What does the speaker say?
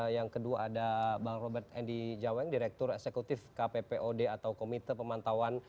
yang kedua ada bang robert endi jaweng direktur eksekutif kppod atau komite pemantauan